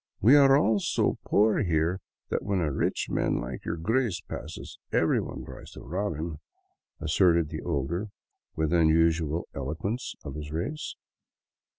"We are all so poor here that when a rich man like your Grace passes everyone tries to rob him," asserted the older, with unusual eloquence for his race.